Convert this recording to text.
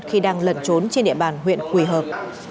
khi đang lẩn trốn trên địa bàn huyện quỳ hợp